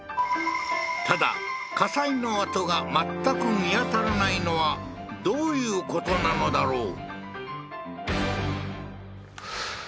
ただ火災の跡が全く見当たらないのはどういうことなのだろう？